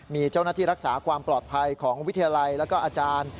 มีเจ้าหน้าที่รักษาความปลอดภัยของวิทยาลัยแล้วก็อาจารย์